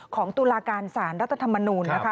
ตุลาการสารรัฐธรรมนูลนะคะ